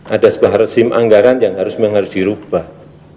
ada sebuah rezim anggaran yang harus dirubah